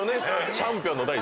チャンピオンの。